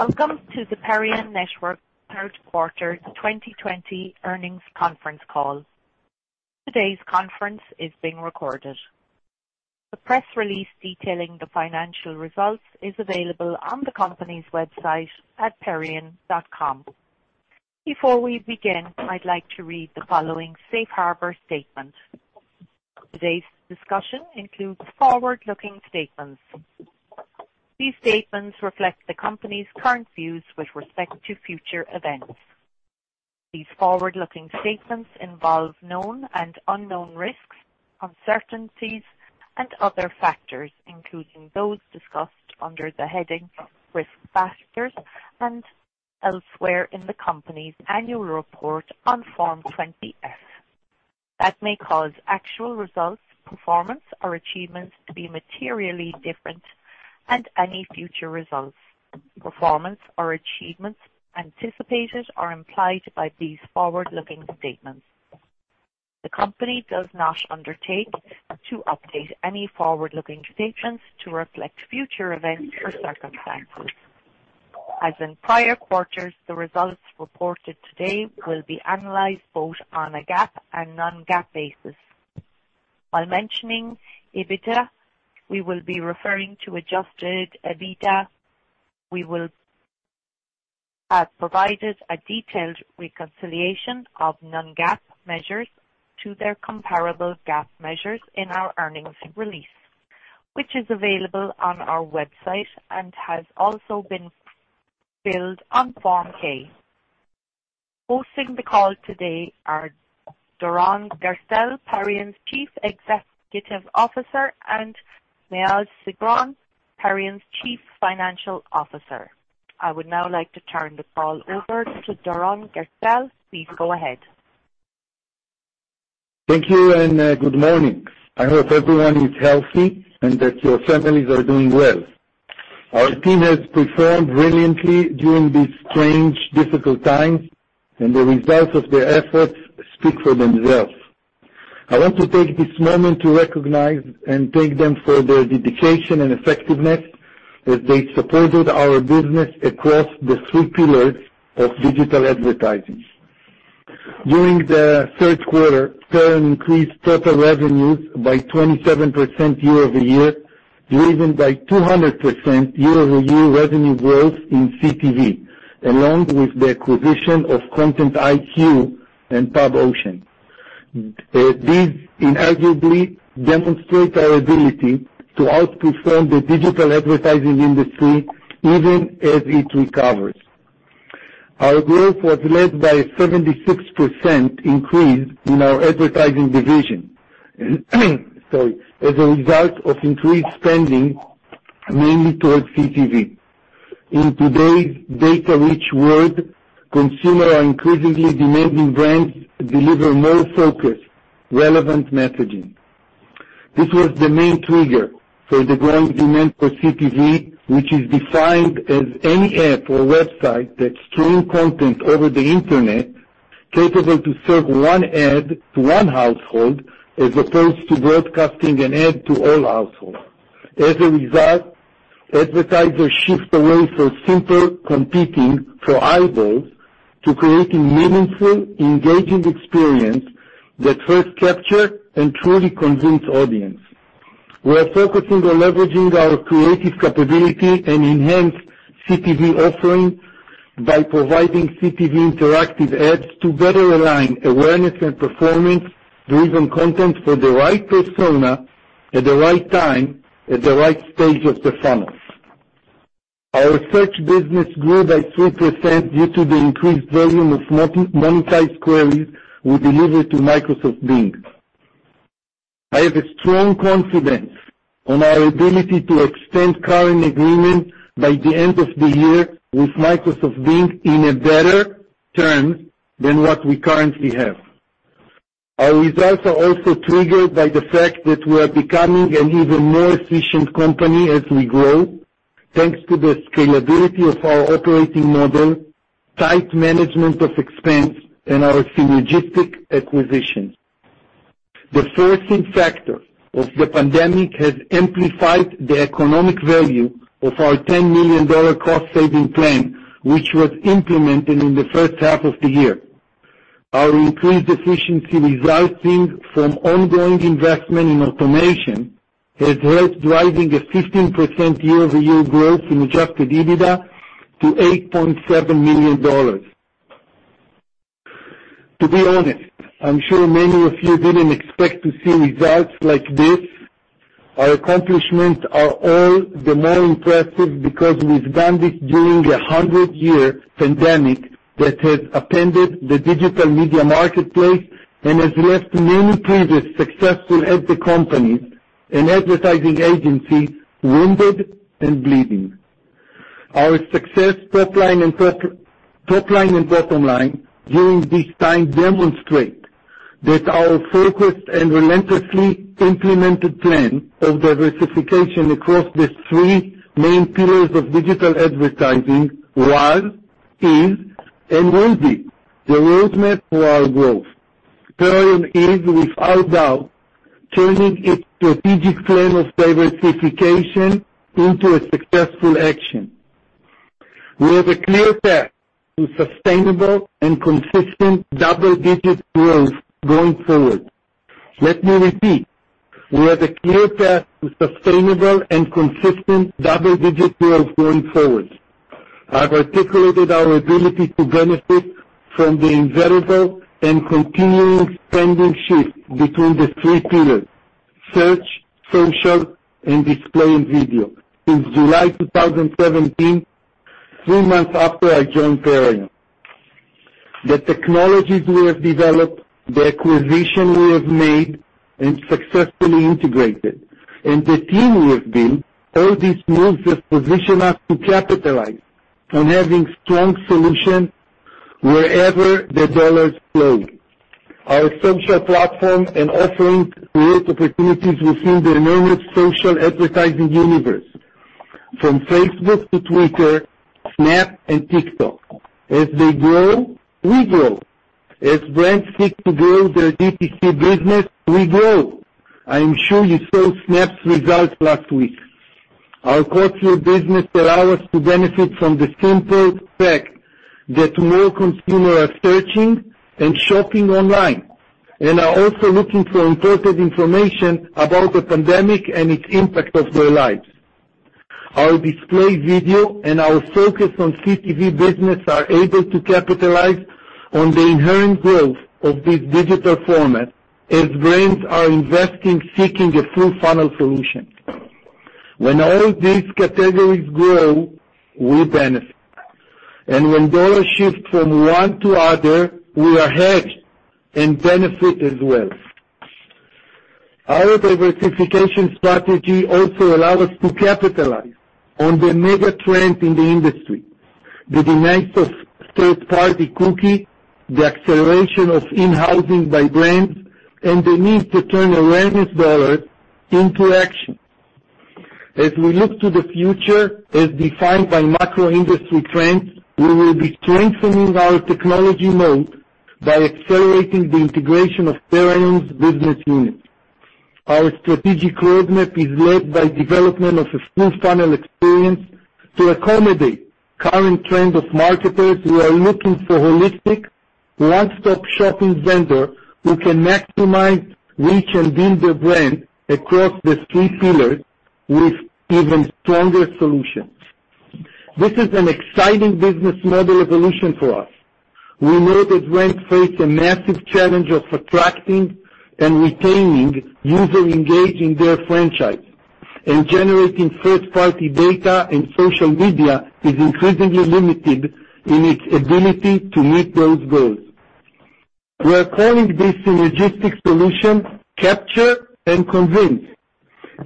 Welcome to the Perion Network Third Quarter 2020 Earnings Conference Call. Today's conference is being recorded. The press release detailing the financial results is available on the company's website at perion.com. Before we begin, I'd like to read the following safe harbor statement. Today's discussion includes forward-looking statements. These statements reflect the company's current views with respect to future events. These forward-looking statements involve known and unknown risks, uncertainties, and other factors, including those discussed under the heading "Risk Factors" and elsewhere in the company's annual report on Form 20-F. That may cause actual results, performance, or achievements to be materially different from any future results, performance, or achievements anticipated or implied by these forward-looking statements. The company does not undertake to update any forward-looking statements to reflect future events or circumstances. As in prior quarters, the results reported today will be analyzed both on a GAAP and non-GAAP basis. While mentioning EBITDA, we will be referring to adjusted EBITDA. We have provided a detailed reconciliation of non-GAAP measures to their comparable GAAP measures in our earnings release, which is available on our website and has also been filed on Form 6-K. Hosting the call today are Doron Gerstel, Perion's Chief Executive Officer, and Maoz Sigron, Perion's Chief Financial Officer. I would now like to turn the call over to Doron Gerstel. Please go ahead. Thank you. Good morning. I hope everyone is healthy and that your families are doing well. Our team has performed brilliantly during these strange, difficult times, and the results of their efforts speak for themselves. I want to take this moment to recognize and thank them for their dedication and effectiveness as they supported our business across the three pillars of digital advertising. During the third quarter, Perion increased total revenues by 27% year-over-year, driven by 200% year-over-year revenue growth in CTV, along with the acquisition of Content IQ and PubOcean. These inarguably demonstrate our ability to outperform the digital advertising industry even as it recovers. Our growth was led by a 76% increase in our advertising division as a result of increased spending mainly towards CTV. In today's data-rich world, consumers are increasingly demanding brands deliver more focused, relevant messaging. This was the main trigger for the growing demand for CTV, which is defined as any app or website that streams content over the internet capable to serve one ad to one household, as opposed to broadcasting an ad to all households. As a result, advertisers shift away from simply competing for eyeballs to creating meaningful, engaging experience that first captures and truly convince audience. We are focusing on leveraging our creative capability and enhance CTV offerings by providing CTV interactive ads to better align awareness and performance-driven content for the right persona, at the right time, at the right stage of the funnel. Our search business grew by 3% due to the increased volume of monetized queries we delivered to Microsoft Bing. I have a strong confidence on our ability to extend current agreement by the end of the year with Microsoft Bing in a better term than what we currently have. Our results are also triggered by the fact that we are becoming an even more efficient company as we grow, thanks to the scalability of our operating model, tight management of expense, and our synergistic acquisitions. The forcing factor of the pandemic has amplified the economic value of our $10 million cost-saving plan, which was implemented in the first half of the year. Our increased efficiency resulting from ongoing investment in automation has helped driving a 15% year-over-year growth in adjusted EBITDA to $8.7 million. To be honest, I'm sure many of you didn't expect to see results like this. Our accomplishments are all the more impressive because we've done this during a 100-year pandemic that has upended the digital media marketplace and has left many previous successful tech companies and advertising agencies wounded and bleeding. Our success top line and bottom line during this time demonstrate that our focused and relentlessly implemented plan of diversification across the three main pillars of digital advertising was, is, and will be the roadmap for our growth. Perion is without doubt turning its strategic plan of diversification into a successful action. We have a clear path to sustainable and consistent double-digit growth going forward. Let me repeat, we have a clear path to sustainable and consistent double-digit growth going forward. I've articulated our ability to benefit from the invariable and continuing spending shift between the three pillars, search, social, and display and video. Since July 2017, three months after I joined Perion, the technologies we have developed, the acquisition we have made and successfully integrated, and the team we have built, all these moves have positioned us to capitalize on having strong solutions wherever the dollars flow. Our social platform and offering create opportunities within the enormous social advertising universe, from Facebook to Twitter, Snap and TikTok. As they grow, we grow. As brands seek to grow their D2C business, we grow. I am sure you saw Snap's results last week. Our core two business allow us to benefit from the simple fact that more consumers are searching and shopping online and are also looking for important information about the pandemic and its impact of their lives. Our display video and our focus on CTV business are able to capitalize on the inherent growth of this digital format as brands are investing, seeking a full-funnel solution. When all these categories grow, we benefit. When dollars shift from one to other, we are ahead and benefit as well. Our diversification strategy also allow us to capitalize on the mega trend in the industry, the demise of third-party cookie, the acceleration of in-housing by brands, and the need to turn awareness dollars into action. As we look to the future as defined by macro industry trends, we will be strengthening our technology moat by accelerating the integration of Perion's business units. Our strategic roadmap is led by development of a smooth funnel experience to accommodate current trend of marketers who are looking for holistic, one-stop shopping vendor who can maximize reach and build their brand across the three pillars with even stronger solutions. This is an exciting business model evolution for us. We know that brands face a massive challenge of attracting and retaining user engaged in their franchise, and generating first-party data in social media is increasingly limited in its ability to meet those goals. We are calling this synergistic solution Capture and Convince.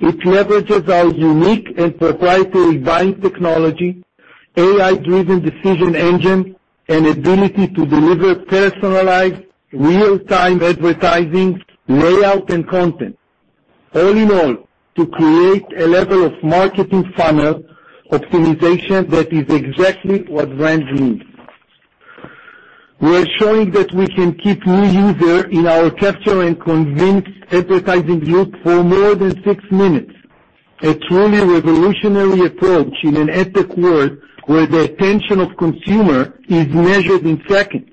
It leverages our unique and proprietary buying technology, AI-driven decision engine, and ability to deliver personalized real-time advertising, layout, and content. All in all, to create a level of marketing funnel optimization that is exactly what brands need. We are showing that we can keep new user in our Capture and Convince advertising loop for more than six minutes, a truly revolutionary approach in an ad tech world where the attention of consumer is measured in seconds.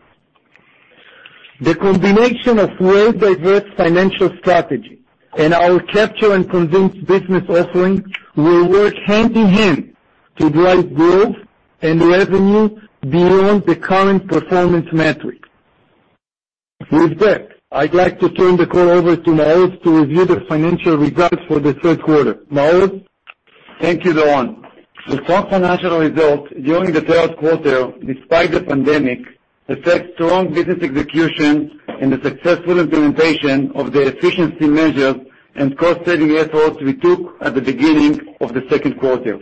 The combination of well-diverse financial strategy and our Capture and Convince business offering will work hand in hand to drive growth and revenue beyond the current performance metrics. With that, I'd like to turn the call over to Maoz to review the financial results for the third quarter. Maoz? Thank you, Doron. The strong financial results during the third quarter, despite the pandemic, reflect strong business execution and the successful implementation of the efficiency measures and cost-saving efforts we took at the beginning of the second quarter.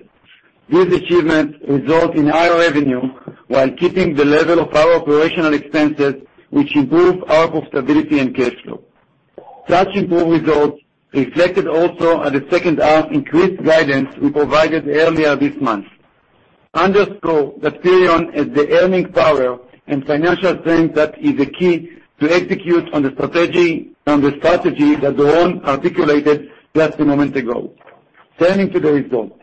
These achievements result in higher revenue while keeping the level of our operational expenses, which improve our profitability and cash flow. Such improved results reflected also at the second half increased guidance we provided earlier this month, underscore that Perion has the earning power and financial strength that is the key to execute on the strategy that Doron articulated just a moment ago. Turning to the results.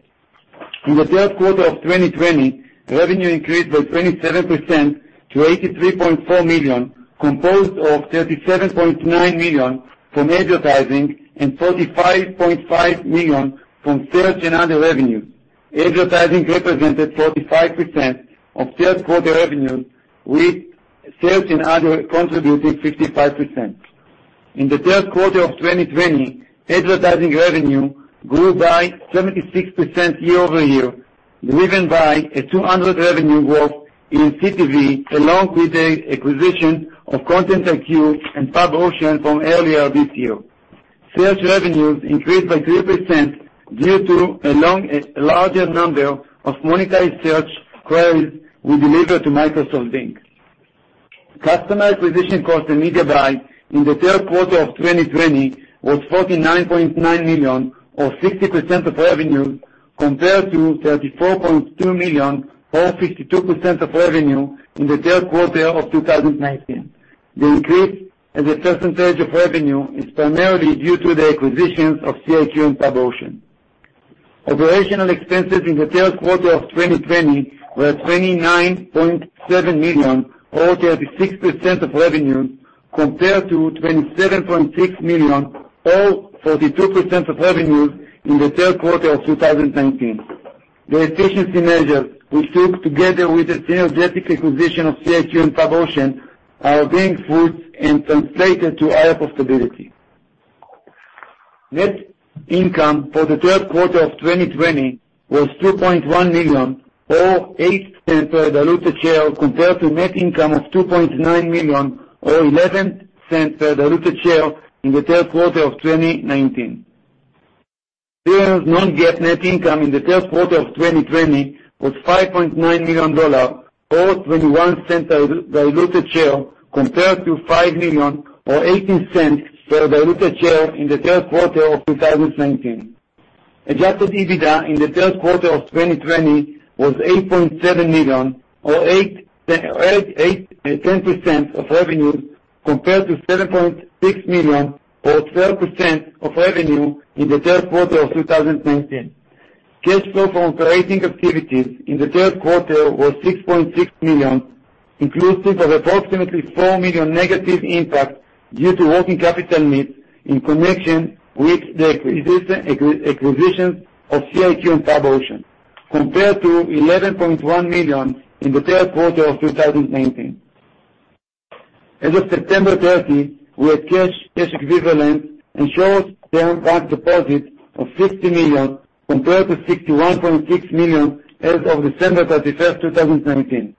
In the third quarter of 2020, revenue increased by 27% to $83.4 million, composed of $37.9 million from advertising and $45.5 million from search and other revenues. Advertising represented 45% of third quarter revenue, with search and other contributing 55%. In the third quarter of 2020, advertising revenue grew by 76% year-over-year, driven by a 200% revenue growth in CTV, along with the acquisition of Content IQ and PubOcean from earlier this year. Search revenues increased by 3% due to a larger number of monetized search queries we deliver to Microsoft Bing. Customer acquisition cost and media buy in the third quarter of 2020 was $49.9 million or 60% of revenue. Compared to $34.2 million or 52% of revenue in the third quarter of 2019. The increase as a percentage of revenue is primarily due to the acquisitions of CIQ and PubOcean. Operational expenses in the third quarter of 2020 were $29.7 million or 36% of revenue, compared to $27.6 million or 32% of revenue in the third quarter of 2019. The efficiency measures we took together with the strategic acquisition of CIQ and PubOcean are bearing fruit and translated to higher profitability. Net income for the third quarter of 2020 was $2.1 million or $0.08 per diluted share, compared to net income of $2.9 million or $0.11 per diluted share in the third quarter of 2019. Perion's non-GAAP net income in the third quarter of 2020 was $5.9 million or $0.21 per diluted share, compared to $5 million or $0.18 per diluted share in the third quarter of 2019. Adjusted EBITDA in the third quarter of 2020 was $8.7 million or 10% of revenue, compared to $7.6 million or 12% of revenue in the third quarter of 2019. Cash flow from operating activities in the third quarter was $6.6 million, inclusive of approximately $4 million negative impact due to working capital needs in connection with the acquisition of CIQ and PubOcean, compared to $11.1 million in the third quarter of 2019. As of September 30, we had cash equivalents, and short-term deposit of $50 million, compared to $61.6 million as of December 31, 2019.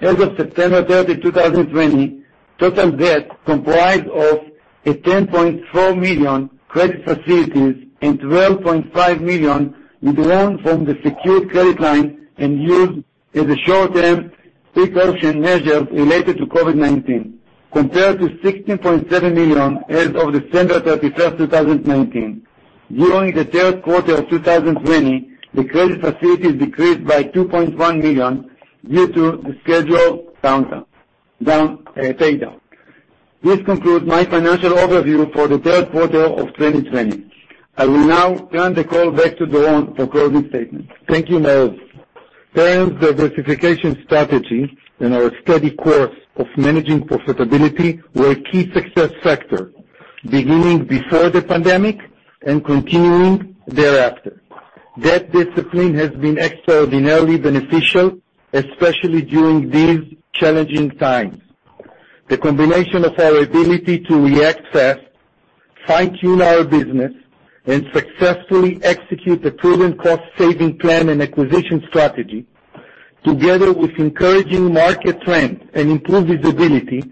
As of September 30, 2020, total debt comprised of a $10.4 million credit facilities and $12.5 million with loan from the secured credit line and used as a short-term precaution measure related to COVID-19, compared to $16.7 million as of December 31, 2019. During the third quarter of 2020, the credit facilities decreased by $2.1 million due to the scheduled pay down. This concludes my financial overview for the third quarter of 2020. I will now turn the call back to Doron for closing statements. Thank you, Maoz. Perion's diversification strategy and our steady course of managing profitability were a key success factor, beginning before the pandemic and continuing thereafter. That discipline has been extraordinarily beneficial, especially during these challenging times. The combination of our ability to react fast, fine-tune our business, and successfully execute a proven cost-saving plan and acquisition strategy, together with encouraging market trends and improved visibility,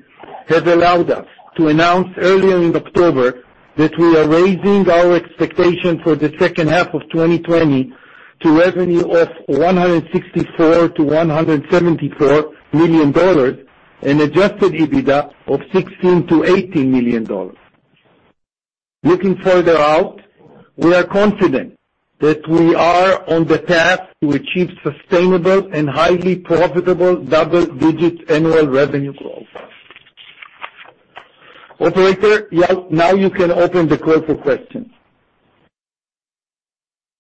has allowed us to announce earlier in October that we are raising our expectation for the second half of 2020 to revenue of $164 million-$174 million and adjusted EBITDA of $16 million-$18 million. Looking further out, we are confident that we are on the path to achieve sustainable and highly profitable double-digit annual revenue growth. Operator, now you can open the call for questions.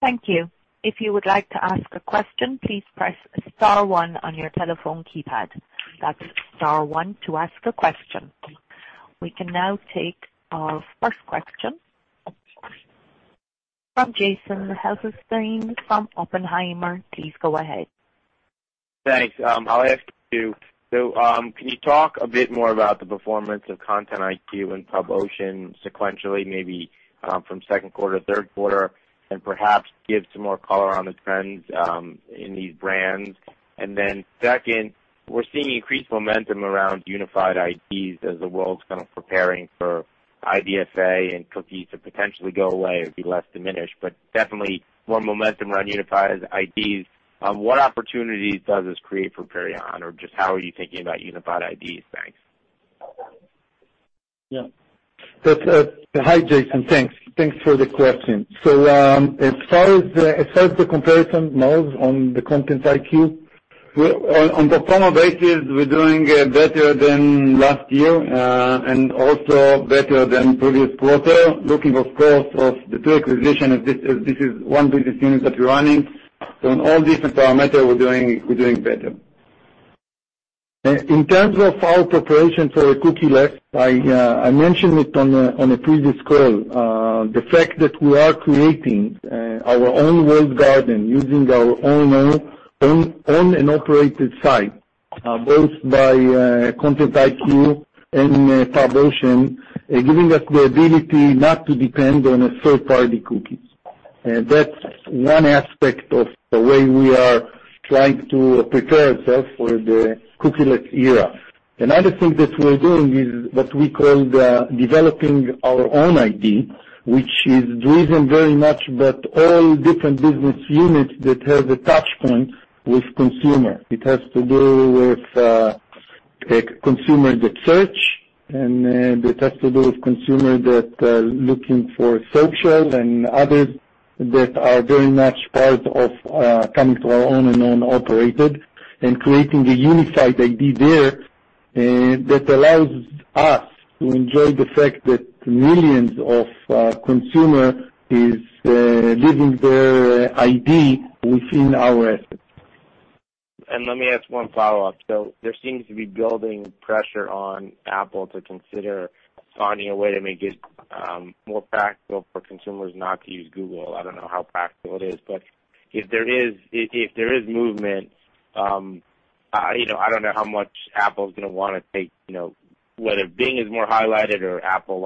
Thank you. If you would like to ask a question, please press star one on your telephone keypad. That's star one to ask a question. We can now take our first question from Jason Helfstein from Oppenheimer. Please go ahead. Thanks. I'll ask two. Can you talk a bit more about the performance of Content IQ and PubOcean sequentially, maybe from second quarter to third quarter, and perhaps give some more color on the trends in these brands? Second, we're seeing increased momentum around unified IDs as the world's kind of preparing for IDFA and cookies to potentially go away or be less diminished, but definitely more momentum around unified IDs. What opportunities does this create for Perion, or just how are you thinking about unified IDs? Thanks. Yeah. Hi, Jason. Thanks. Thanks for the question. As far as the comparison, Maoz, on the ContentIQ? On pro forma basis, we're doing better than last year, and also better than previous quarter. Looking, of course, of the two acquisitions, as this is one business unit that we're running. On all different parameter, we're doing better. In terms of our preparation for a cookie-less, I mentioned it on a previous call, the fact that we are creating our own walled garden using our own owned and operated site, both by Content IQ and PubOcean, giving us the ability not to depend on a third-party cookies. That's one aspect of the way we are trying to prepare ourselves for the cookie-less era. Another thing that we're doing is what we call developing our own ID, which is driven very much, but all different business units that have a touch point with consumer. It has to do with consumers that search. It has to do with consumers that are looking for social and others that are very much part of coming to our owned and operated and creating a unified ID there that allows us to enjoy the fact that millions of consumers are leaving their ID within our assets. Let me ask one follow-up. There seems to be building pressure on Apple to consider finding a way to make it more practical for consumers not to use Google. I don't know how practical it is, but if there is movement, I don't know how much Apple's going to want to take, whether Bing is more highlighted or Apple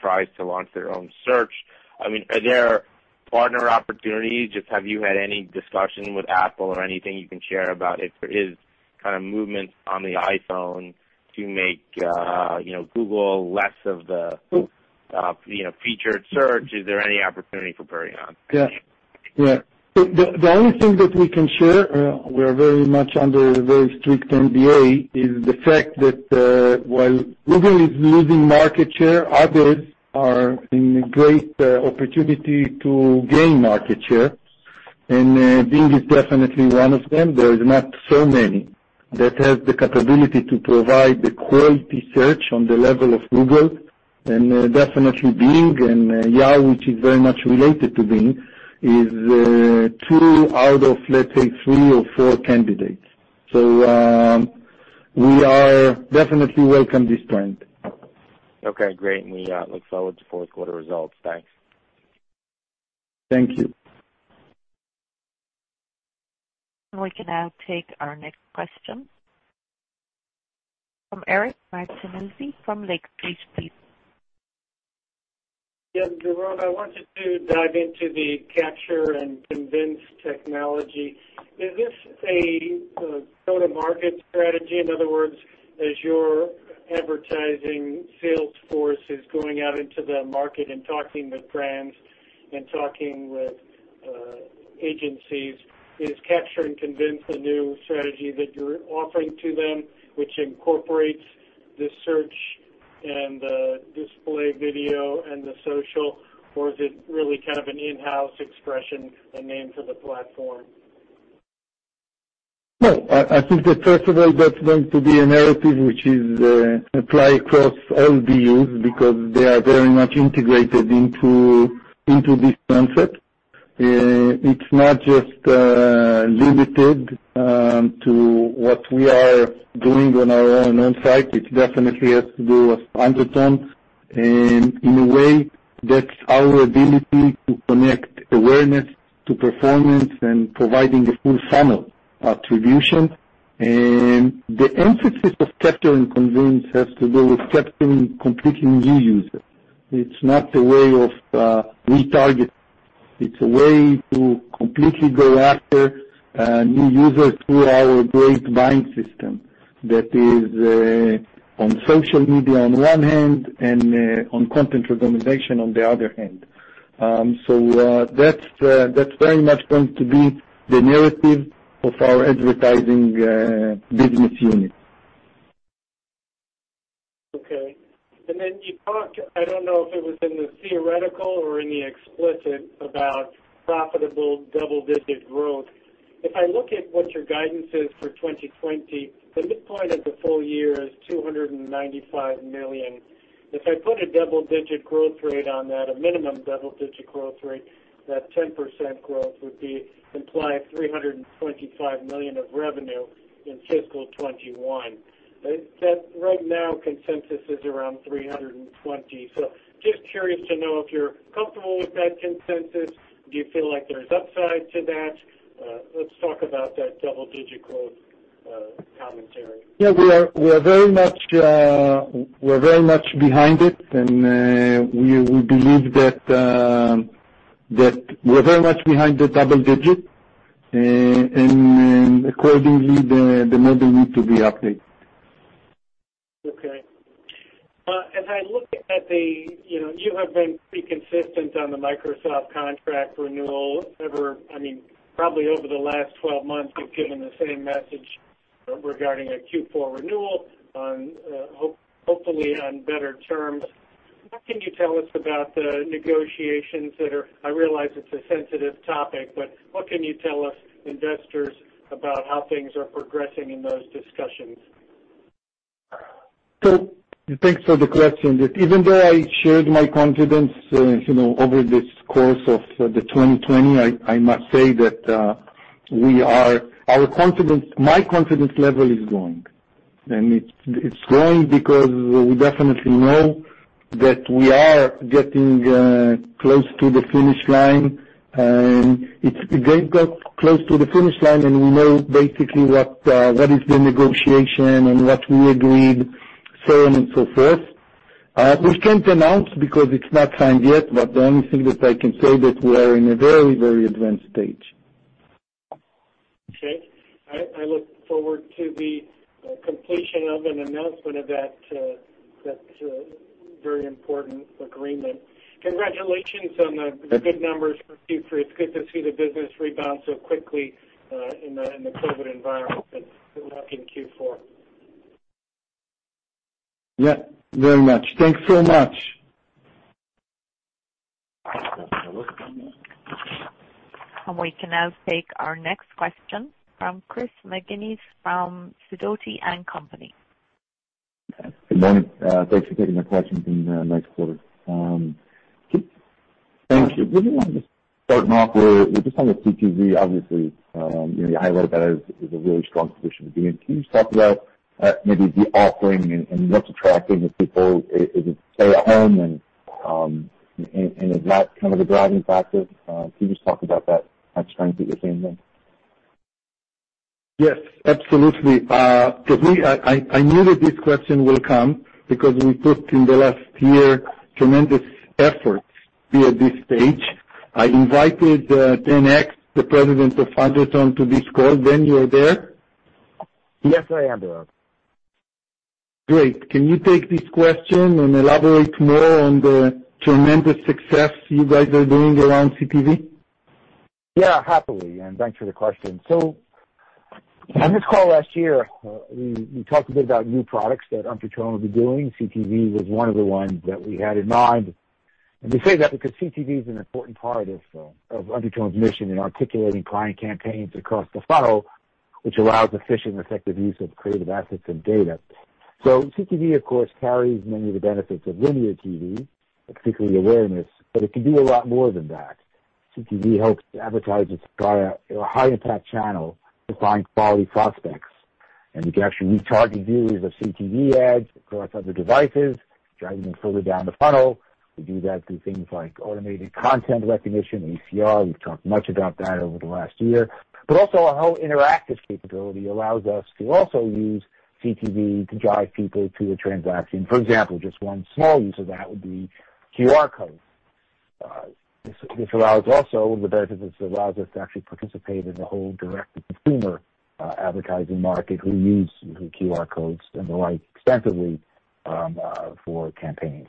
tries to launch their own search. Are there partner opportunities? Just have you had any discussion with Apple or anything you can share about if there is kind of movement on the iPhone to make Google less of the featured search? Is there any opportunity for Perion? Yeah. The only thing that we can share, we're very much under a very strict NDA, is the fact that while Google is losing market share, others are in a great opportunity to gain market share, and Bing is definitely one of them. There is not so many that have the capability to provide the quality search on the level of Google, and definitely Bing, and Yahoo, which is very much related to Bing, is two out of, let's say, three or four candidates. We are definitely welcome this trend. Okay, great. We look forward to fourth quarter results. Thanks. Thank you. We can now take our next question from Eric Martinuzzi from Lake Street, please. Yeah. Doron, I wanted to dive into the Capture & Convince technology. Is this a go-to-market strategy? In other words, as your advertising sales force is going out into the market and talking with brands and talking with agencies, is Capture & Convince a new strategy that you're offering to them, which incorporates the search and the display video and the social, or is it really kind of an in-house expression, a name for the platform? No, I think that first of all, that's going to be a narrative which is applied across all BUs because they are very much integrated into this concept. It's not just limited to what we are doing on our own site. It definitely has to do with Undertone, in a way, that's our ability to connect awareness to performance and providing a full funnel attribution. The emphasis of Capture & Convince has to do with capturing completely new users. It's not a way of retargeting. It's a way to completely go after new users through our great buying system that is on social media on one hand, and on content recommendation on the other hand. That's very much going to be the narrative of our advertising business unit. Okay. You talk, I don't know if it was in the theoretical or in the explicit, about profitable double-digit growth. If I look at what your guidance is for 2020, the midpoint of the full year is $295 million. If I put a double-digit growth rate on that, a minimum double-digit growth rate, that 10% growth would be implying $325 million of revenue in FY 2021. Right now, consensus is around $320 million. Just curious to know if you're comfortable with that consensus. Do you feel like there's upside to that? Let's talk about that double-digit growth commentary. Yeah, we're very much behind it, and we believe that we're very much behind the double digit. Accordingly, the model need to be updated. Okay. As I look at the, you have been pretty consistent on the Microsoft contract renewal. Probably over the last 12 months, you've given the same message regarding a Q4 renewal, hopefully on better terms. What can you tell us about the negotiations that are, I realize it's a sensitive topic, but what can you tell us investors about how things are progressing in those discussions? Thanks for the question. Even though I shared my confidence over this course of the 2020, I must say that my confidence level is growing, and it's growing because we definitely know that we are getting close to the finish line, and we know basically what is the negotiation and what we agreed, so on and so forth. We can't announce because it's not signed yet, but the only thing that I can say that we are in a very advanced stage. Okay. I look forward to the completion of an announcement of that. Very important agreement. Congratulations on the good numbers for Q3. It's good to see the business rebound so quickly in the COVID-19 environment that we have in Q4. Yeah, very much. Thanks so much. We can now take our next question from Chris McGinnis from Sidoti & Company. Good morning. Thanks for taking my questions in the next quarter. Thank you. Really wanted to start off with, just on the CTV, obviously, you highlighted that as a really strong position to be in. Can you just talk about maybe the offering and what's attracting the people as they stay at home and, is that kind of a driving factor? Can you just talk about that strength that you're seeing there? Yes, absolutely. I knew that this question will come because we put, in the last year, tremendous efforts to be at this stage. I invited Dan Aks, the President of Undertone, to this call. Dan, you are there? Yes, I am there. Great. Can you take this question and elaborate more on the tremendous success you guys are doing around CTV? Yeah, happily, thanks for the question. On this call last year, we talked a bit about new products that Undertone will be doing. CTV was one of the ones that we had in mind. We say that because CTV is an important part of Undertone's mission in articulating client campaigns across the funnel, which allows efficient, effective use of creative assets and data. CTV, of course, carries many of the benefits of linear TV, particularly awareness, but it can do a lot more than that. CTV helps advertisers via a high-impact channel to find quality prospects. You can actually re-target viewers of CTV ads across other devices, driving them further down the funnel. We do that through things like automated content recognition, ACR. We've talked much about that over the last year. Also our whole interactive capability allows us to also use CTV to drive people to a transaction. For example, just one small use of that would be QR codes. This allows also the benefits, allows us to actually participate in the whole direct-to-consumer advertising market who use QR codes and the like extensively for campaigns.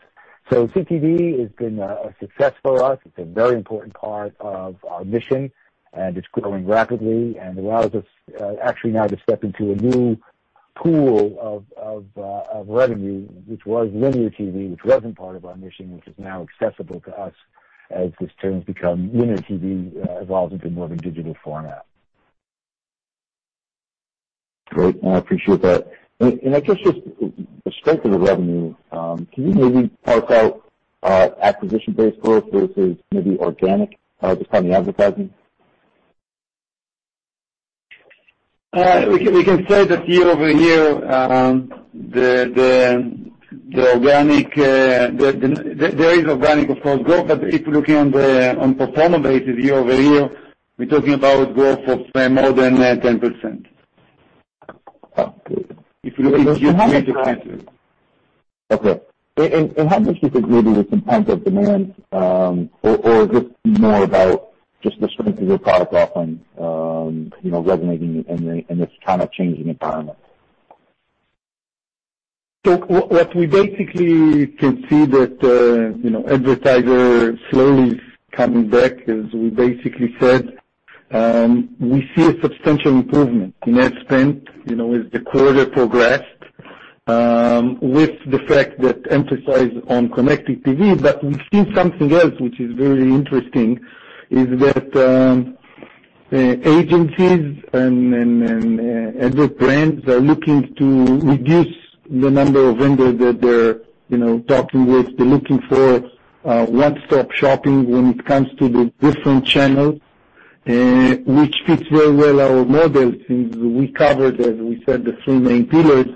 CTV has been a success for us. It's a very important part of our mission, and it's growing rapidly and allows us actually now to step into a new pool of revenue, which was linear TV, which wasn't part of our mission, which is now accessible to us as this term becomes linear TV evolves into more of a digital format. Great. No, I appreciate that. I guess just the strength of the revenue, can you maybe parse out acquisition-based growth versus maybe organic just on the advertising? We can say that year-over-year, there is organic growth. If you're looking on pro forma basis year-over-year, we're talking about growth of more than 10%. Okay. If you're looking. How much of that? At free cash flow. Okay. How much do you think maybe there's some pent-up demand? Is this more about just the strength of your product offering resonating in this kind of changing environment? What we basically can see that advertiser slowly is coming back, as we basically said. We see a substantial improvement in ad spend as the quarter progressed, with the fact that emphasis on connected TV. We see something else which is very interesting, is that agencies and other brands are looking to reduce the number of vendors that they're talking with. They're looking for one-stop shopping when it comes to the different channels, which fits very well our model, since we covered, as we said, the three main pillars,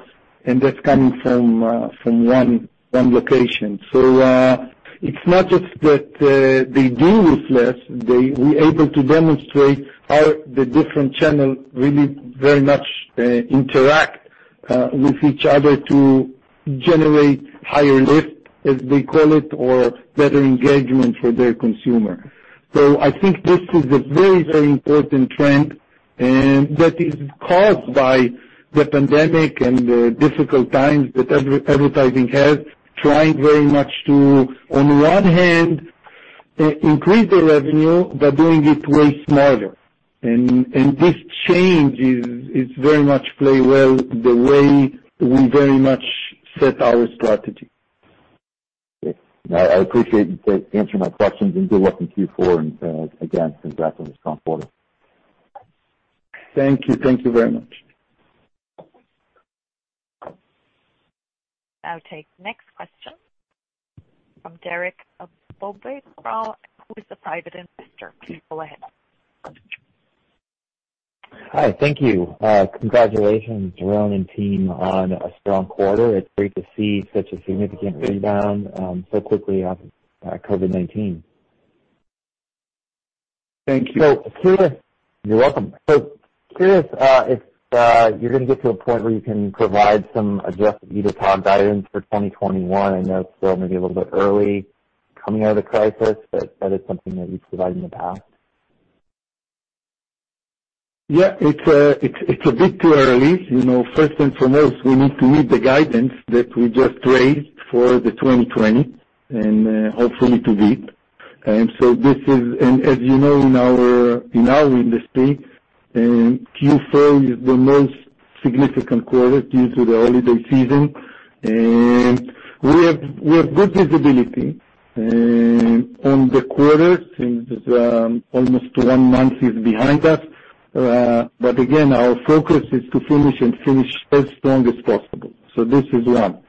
and that's coming from one location. It's not just that they deal with less. We're able to demonstrate how the different channels really very much interact with each other to generate higher lift, as we call it, or better engagement for their consumer. I think this is a very important trend. That is caused by the pandemic and the difficult times that every advertising has, trying very much to on one hand, increase the revenue by doing it way smarter. This change very much play well the way we very much set our strategy. Okay. No, I appreciate you answering my questions, and good luck in Q4, and, again, congrats on a strong quarter. Thank you. Thank you very much. I'll take the next question from Derek Abbo from, who is a private investor. Please go ahead. Hi. Thank you. Congratulations, Doron and team, on a strong quarter. It's great to see such a significant rebound so quickly after COVID-19. Thank you. You're welcome. Curious if you're going to get to a point where you can provide some adjusted EBITDA guidance for 2021. I know it's still maybe a little bit early coming out of the crisis, that is something that you've provided in the past. Yeah, it's a bit too early. First and foremost, we need to meet the guidance that we just raised for the 2020, and hopefully to beat. As you know, in our industry, Q4 is the most significant quarter due to the holiday season. We have good visibility on the quarter since almost one month is behind us. Again, our focus is to finish and finish as strong as possible. This is one.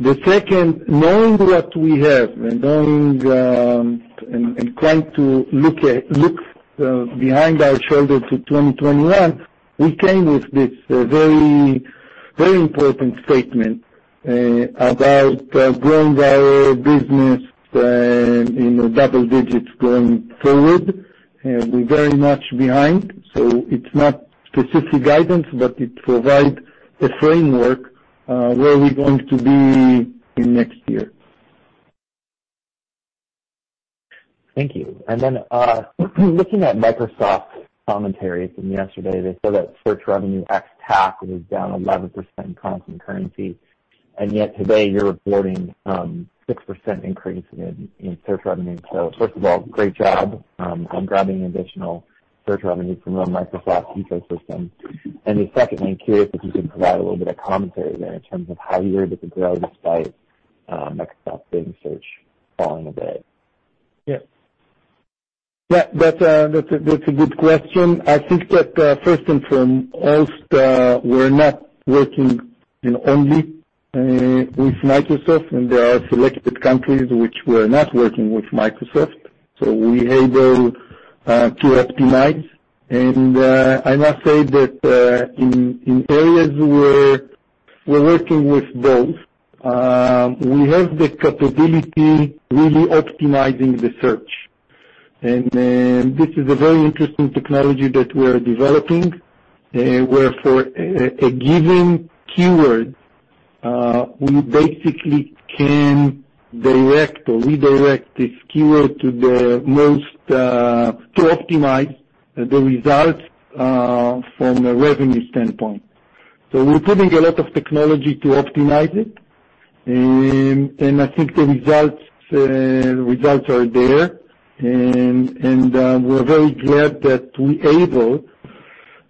The second, knowing what we have and trying to look behind our shoulder to 2021, we came with this very important statement about growing our business in double digits going forward, and we're very much behind. It's not specific guidance, but it provides a framework where we're going to be in next year. Thank you. Looking at Microsoft commentaries from yesterday, they said that search revenue ex-TAC was down 11% constant currency, yet today you're reporting 6% increase in search revenue. First of all, great job on grabbing additional search revenue from the Microsoft ecosystem. Secondly, curious if you can provide a little bit of commentary there in terms of how you're able to grow despite Microsoft Bing search falling a bit. Yeah. That's a good question. I think that, first and foremost, we're not working in only with Microsoft, and there are selected countries which we're not working with Microsoft, so we able to optimize. I must say that, in areas where we're working with both, we have the capability really optimizing the search. This is a very interesting technology that we are developing, where for a given keyword, we basically can direct or redirect this keyword to optimize the results from a revenue standpoint. We're putting a lot of technology to optimize it, and I think the results are there, and we're very glad that we able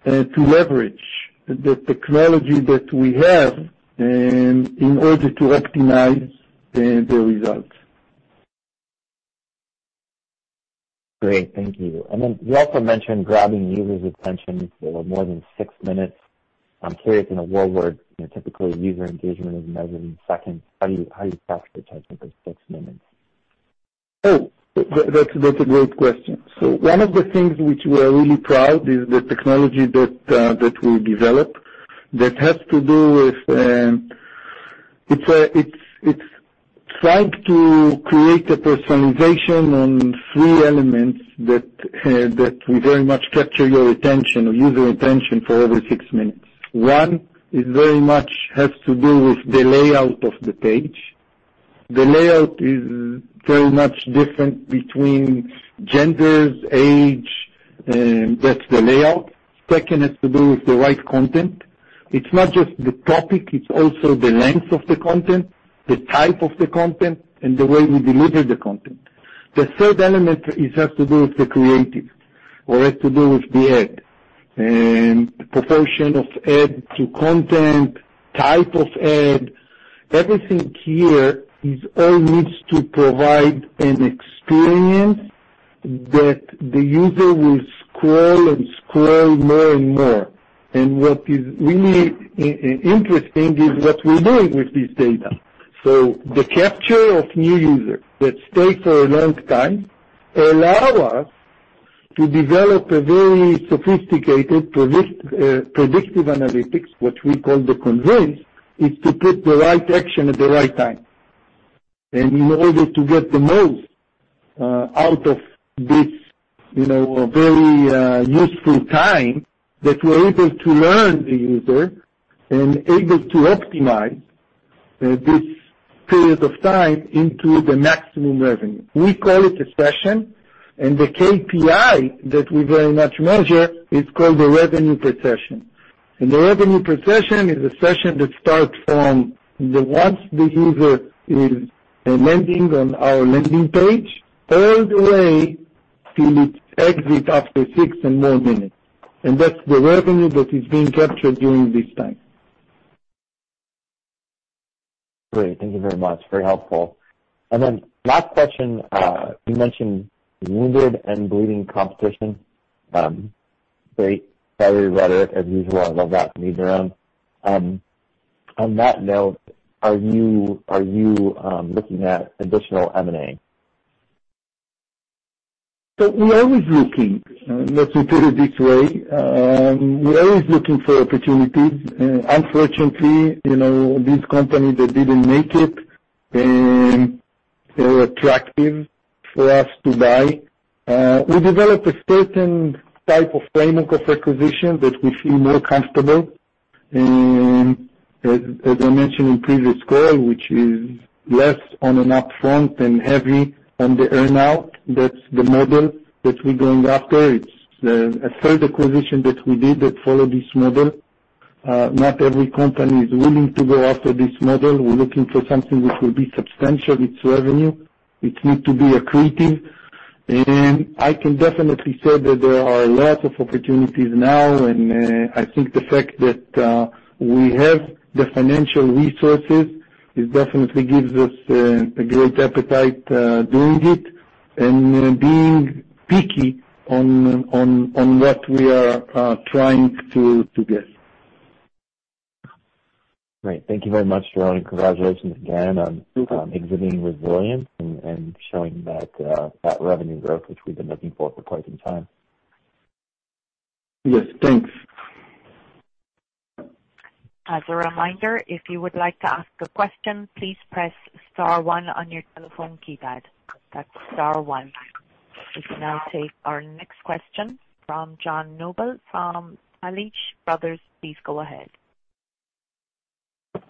to leverage the technology that we have in order to optimize the results. Great. Thank you. You also mentioned grabbing users' attention for more than six minutes. I'm curious, in a world where typically user engagement is measured in seconds, how do you capture type of six minutes? That's a great question. One of the things which we are really proud is the technology that we developed that has to do with trying to create a personalization on three elements that will very much capture your attention or user attention for over six minutes. One, it very much has to do with the layout of the page. The layout is very much different between genders, age, that's the layout. Second, has to do with the right content. It's not just the topic, it's also the length of the content, the type of the content, and the way we deliver the content. The third element, it has to do with the creative or has to do with the ad, and proportion of ad to content, type of ad. Everything here is all needs to provide an experience that the user will scroll and scroll more and more. What is really interesting is what we're doing with this data. The capture of new users that stay for a long time allow us to develop a very sophisticated, predictive analytics, which we call the Convince, is to put the right action at the right time. In order to get the most out of this very useful time, that we're able to learn the user and able to optimize this period of time into the maximum revenue. We call it a session, and the KPI that we very much measure is called the revenue per session. The revenue per session is a session that starts from once the user is landing on our landing page, all the way till it exit after six and more minutes. That's the revenue that is being captured during this time. Great. Thank you very much. Very helpful. Last question, you mentioned wounded and bleeding competition. Great, fiery rhetoric as usual. I love that from Dan. On that note, are you looking at additional M&A? We're always looking, let me put it this way. We're always looking for opportunities. Unfortunately, these companies that didn't make it, they were attractive for us to buy. We developed a certain type of framework of acquisition that we feel more comfortable. As I mentioned in previous call, which is less on an upfront and heavy on the earn-out, that's the model that we're going after. It's a third acquisition that we did that followed this model. Not every company is willing to go after this model. We're looking for something which will be substantial, its revenue, which need to be accretive. I can definitely say that there are a lot of opportunities now, and I think the fact that we have the financial resources, it definitely gives us a great appetite doing it and being picky on what we are trying to get. Great. Thank you very much, Doron. Congratulations again on exhibiting resilience and showing that revenue growth, which we've been looking for quite some time. Yes. Thanks. As a reminder, if you would like to ask a question, please press star one on your telephone keypad. That's star one. We can now take our next question from John Noble from Aleech Brothers. Please go ahead.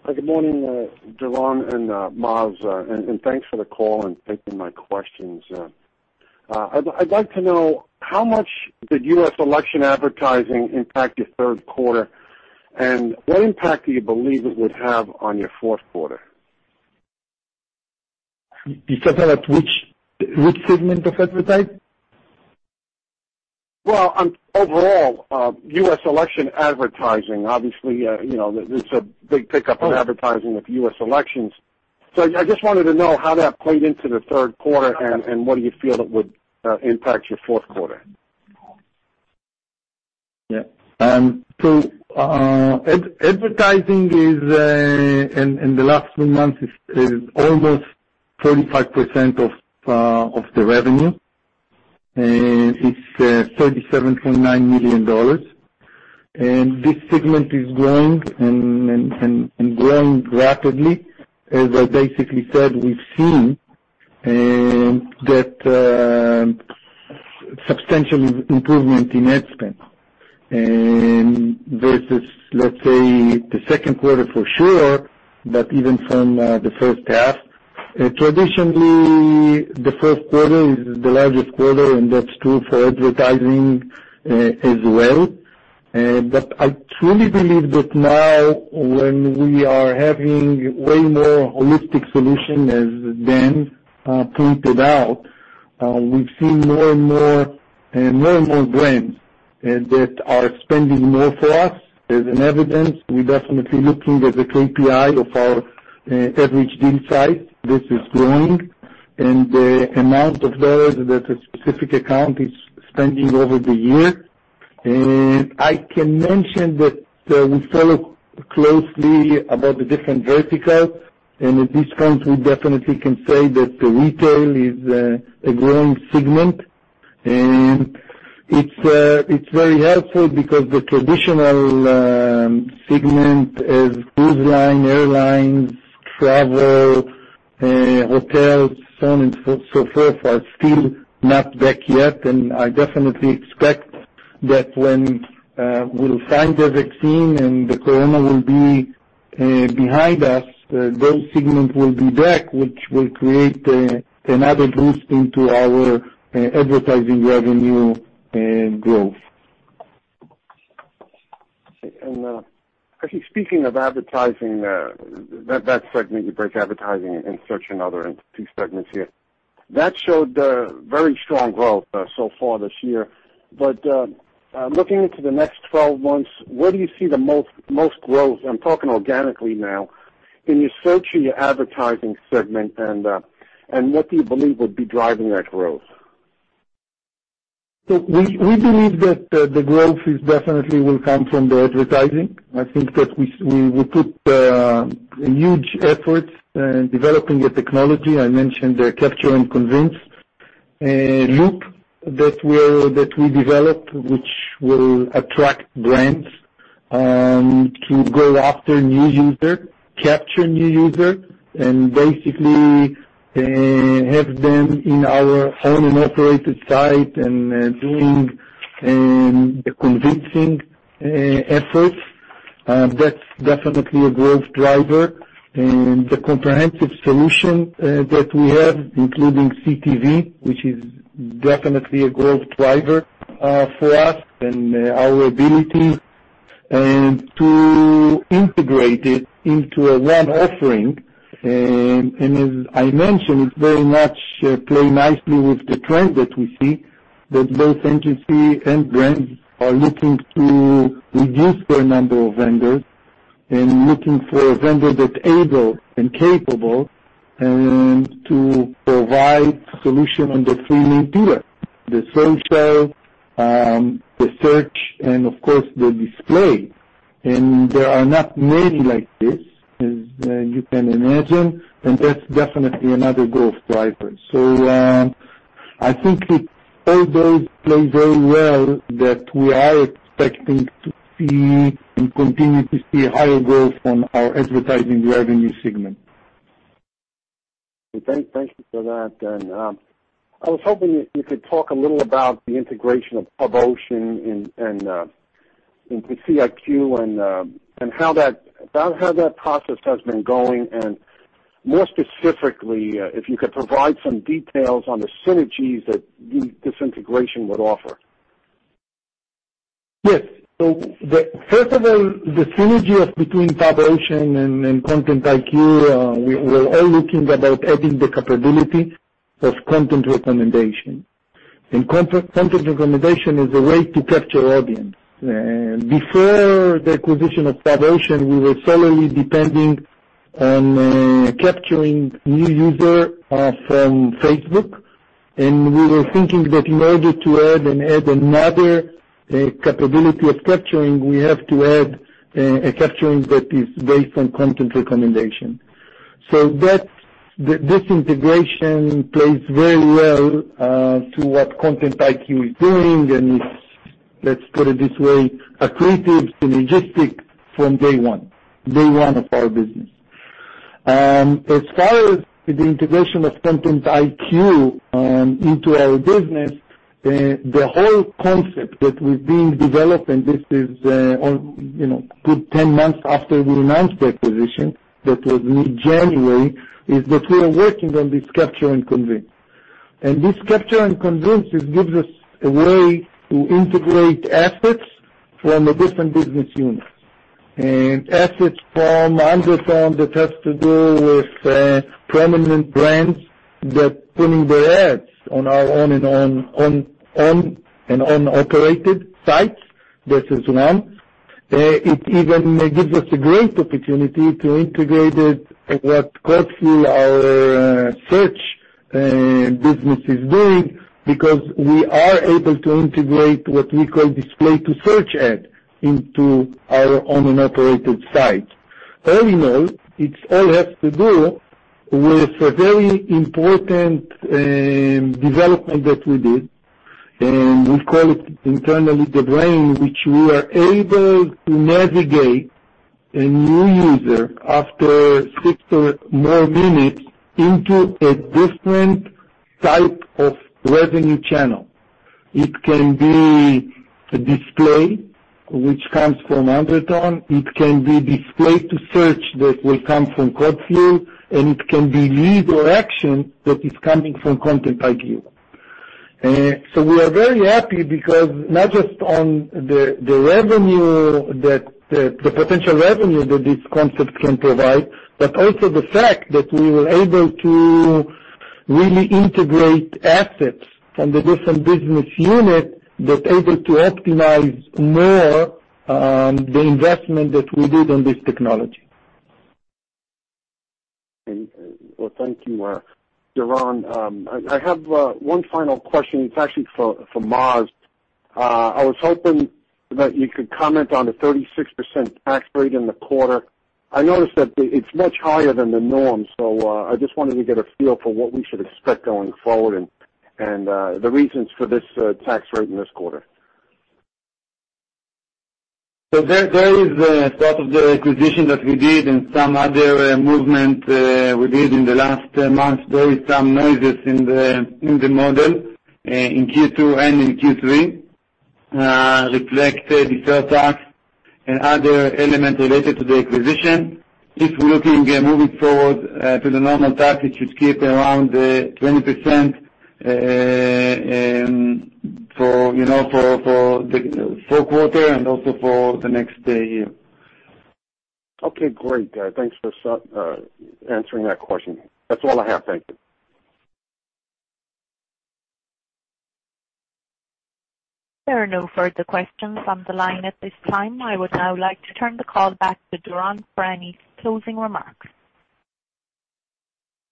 Good morning, Doron and Maoz, and thanks for the call and taking my questions. I'd like to know how much did U.S. election advertising impact your third quarter, and what impact do you believe it would have on your fourth quarter? You said that which segment of advertise? Well, on overall, U.S. election advertising. Obviously, there's a big pickup in advertising of U.S. elections. I just wanted to know how that played into the third quarter and what do you feel it would impact your fourth quarter? Yeah. Advertising is, in the last three months, is almost 35% of the revenue, and it's $37.9 million. This segment is growing, and growing rapidly. As I basically said, we've seen that substantial improvement in ad spend. Versus, let's say, the second quarter for sure, but even from the first half. Traditionally, the fourth quarter is the largest quarter, and that's true for advertising, as well. I truly believe that now when we are having way more holistic solution, as Dan pointed out, we've seen more and more brands that are spending more for us as an evidence. We're definitely looking at the KPI of our average deal size. This is growing. The amount of dollars that a specific account is spending over the year. I can mention that we follow closely about the different verticals, and at this point, we definitely can say that the retail is a growing segment. It's very helpful because the traditional segment is cruise line, airlines, travel, hotels, so on and so forth, are still not back yet. I definitely expect that when we'll find a vaccine and the COVID-19 will be behind us, those segments will be back, which will create another boost into our advertising revenue growth. Actually, speaking of advertising, that segment, you break advertising and search and other entity segments here. That showed a very strong growth so far this year. Looking into the next 12 months, where do you see the most growth? I'm talking organically now, in your search and your advertising segment and what do you believe would be driving that growth? We believe that the growth is definitely will come from the advertising. I think that we put a huge effort in developing a technology. I mentioned the Capture and Convince loop that we developed, which will attract brands, to go after new user, capture new user, and basically, have them in our own and operated site and doing convincing efforts. That's definitely a growth driver. The comprehensive solution that we have, including CTV, which is definitely a growth driver for us, and our ability, and to integrate it into a one offering. As I mentioned, it's very much play nicely with the trend that we see, that both entities and brands are looking to reduce their number of vendors and looking for a vendor that's able and capable, and to provide solution on the three main pillar, the social, the search, and of course, the display. There are not many like this, as you can imagine, and that's definitely another growth driver. I think it all those play very well that we are expecting to see and continue to see higher growth on our advertising revenue segment. Thank you for that. I was hoping you could talk a little about the integration of PubOcean and Content IQ, and about how that process has been going, and more specifically, if you could provide some details on the synergies that this integration would offer. First of all, the synergies between PubOcean and Content IQ, we're all looking about adding the capability of content recommendation. Content recommendation is a way to capture audience. Before the acquisition of PubOcean, we were solely depending on capturing new user from Facebook, and we were thinking that in order to add another capability of capturing, we have to add a capturing that is based on content recommendation. This integration plays very well to what Content IQ is doing, and it's, let's put it this way, accretive synergistic from day one of our business. As far as the integration of Content IQ into our business, the whole concept that we've been developing, this is a good 10 months after we announced the acquisition, that was in January, is that we are working on this Capture and Convince. This Capture and Convince, it gives us a way to integrate assets from the different business units. Assets from Undertone that has to do with prominent brands that are putting their ads on our owned and operated sites. This is one. It even gives us a great opportunity to integrate it at what CodeFuel, our search business, is doing because we are able to integrate what we call display to search ad into our owned and operated site. All in all, it all has to do with a very important development that we did, and we call it internally the brain, which we are able to navigate a new user after six or more minutes into a different type of revenue channel. It can be a display which comes from Undertone, it can be display to search that will come from CodeFuel, and it can be lead or action that is coming from Content IQ. We are very happy because not just on the potential revenue that this concept can provide, but also the fact that we were able to really integrate assets from the different business unit that able to optimize more the investment that we did on this technology. Well, thank you, Doron. I have one final question. It's actually for Maoz. I was hoping that you could comment on the 36% tax rate in the quarter. I noticed that it's much higher than the norm, so I just wanted to get a feel for what we should expect going forward and the reasons for this tax rate in this quarter. There is part of the acquisition that we did and some other movement we did in the last month. There is some noises in the model in Q2 and in Q3, reflected the sales tax and other element related to the acquisition. If looking moving forward to the normal tax, it should keep around 20% for the fourth quarter and also for the next year. Okay, great. Thanks for answering that question. That's all I have. Thank you. There are no further questions on the line at this time. I would now like to turn the call back to Doron for any closing remarks.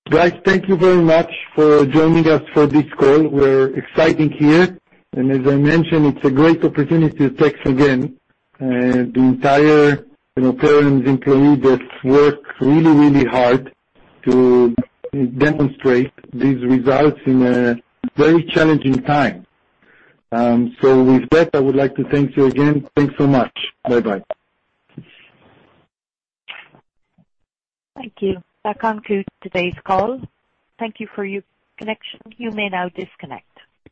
Guys, thank you very much for joining us for this call. We're excited here, and as I mentioned, it's a great opportunity to thank again the entire Perion employee that worked really, really hard to demonstrate these results in a very challenging time. With that, I would like to thank you again. Thanks so much. Bye-bye. Thank you. That concludes today's call. Thank you for your connection. You may now disconnect.